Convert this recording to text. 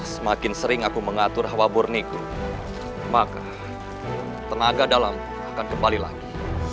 semakin sering aku mengatur hawa burniku maka tenaga dalam akan kembali lagi